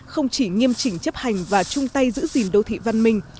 không chỉ nghiêm chỉnh chấp hành và chung tay giữ gìn đô thị văn minh